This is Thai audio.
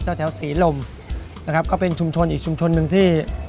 แถวศรีลมนะครับก็เป็นชุมชนอีกชุมชนหนึ่งที่